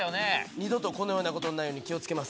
二度とこのようなことないように気を付けます。